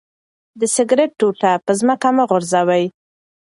د سګرټ ټوټه په ځمکه مه غورځوئ.